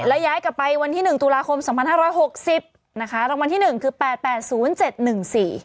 แล้วย้ายกลับไปวันที่หนึ่งตุลาคมสองพันห้าร้อยหกสิบนะคะรางวัลที่หนึ่งคือแปดแปดศูนย์เจ็ดหนึ่งสี่